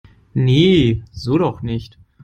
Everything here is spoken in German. Nee, so doch nicht!